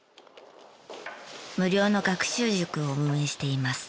無料の学習塾を運営しています。